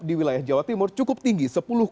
di wilayah jawa timur cukup tinggi